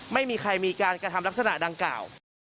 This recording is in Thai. ไม่มีใครมีการกระทำลักษณะดังกล่าว